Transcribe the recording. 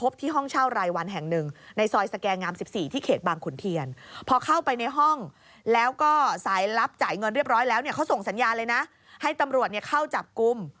ก็ส่งสัญญาณเลยนะให้ตำรวจเข้าจับกุม